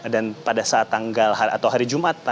dan pada saat tanggal hari jumat